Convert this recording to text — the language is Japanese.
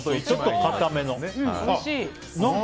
ちょっと硬めの。